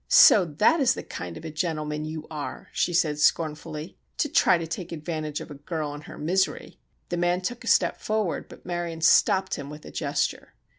"So that is the kind of a gentleman you are," she said, scornfully. "To try to take advantage of a girl in her misery!" The man took a step forward, but Marion stopped him with a gesture.